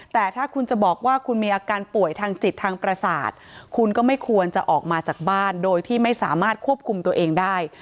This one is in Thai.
แต่ถ้าคุณจะบอกว่าคุณมีอาการป่วยทางจิตทางประสาทคุณก็ไม่ควรจะออกมาจากบ้านโดยที่ไม่สามารถควบคุมตัวเองได้